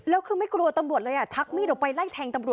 แล้วคือไม่กลัวตำรวจเลยชักมีดออกไปไล่แทงตำรวจ